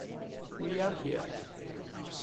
We are here.